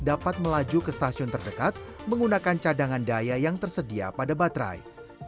dapat melaju ke stasiun terdekat menggunakan cadangan daya yang tersedia pada baterai